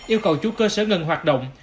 yêu cầu chủ cơ sở ngừng hoạt động